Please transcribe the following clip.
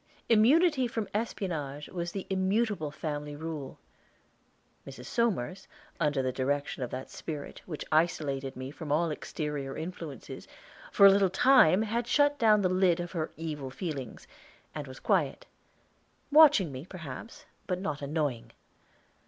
Immunity from espionage was the immutable family rule. Mrs. Somers, under the direction of that spirit which isolated me from all exterior influences, for a little time had shut down the lid of her evil feelings, and was quiet; watching me, perhaps, but not annoying.